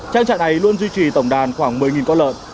trên trạng này luôn duy trì tổng đàn khoảng một mươi con lợn